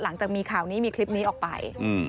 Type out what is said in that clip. หลังจากมีข่าวนี้มีคลิปนี้ออกไป